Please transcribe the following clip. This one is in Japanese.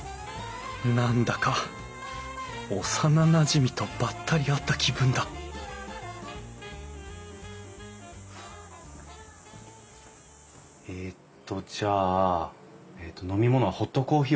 何だか幼なじみとばったり会った気分だえっとじゃあ飲み物はホットコーヒーお願いします。